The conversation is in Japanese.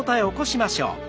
起こしましょう。